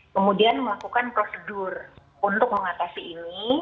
kemudian melakukan prosedur untuk mengatasi ini